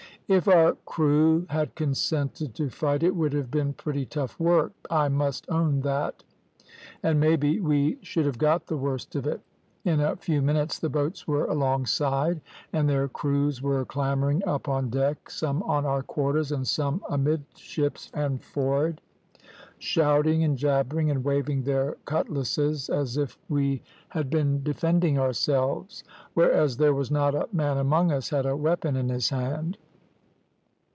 If our crew had consented to fight it would have been pretty tough work, I must own that, and maybe we should have got the worst of it. In a few minutes the boats were alongside, and their crews were clambering up on deck, some on our quarters and some amidships and for'ard, shouting and jabbering, and waving their cutlasses as if we had been defending ourselves, whereas there was not a man among us had a weapon in his hand.